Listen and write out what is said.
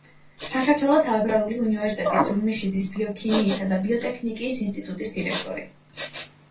საქართველოს აგრარული უნივერსიტეტის დურმიშიძის ბიოქიმიისა და ბიოტექნოლოგიის ინსტიტუტის დირექტორი.